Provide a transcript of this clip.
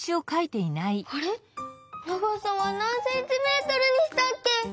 あれ長さはなんセンチメートルにしたっけ？